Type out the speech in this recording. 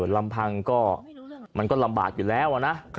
ลำพังก็มันก็ลำบากอยู่แล้วนะ